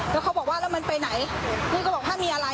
แล้วเขาบอกว่าแล้วมันไปไหนพี่ก็บอกถ้ามีอะไร